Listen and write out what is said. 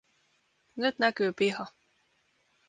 Nyt näkyy piha.